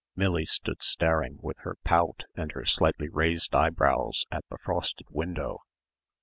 Millie stood staring with her pout and her slightly raised eyebrows at the frosted window.